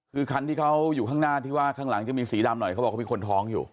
คือคันที่เขาอยู่ข้างหน้าที่ว่าข้างหลังจะมีสีดำหน่อยเขาบอกเขามีคนท้องอยู่